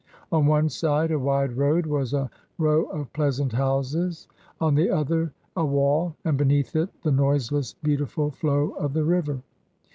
On one side a wide road was a ro^, of pleasant houses, on the other a wall, and beneath it the noiseless, beautiful flow of the river.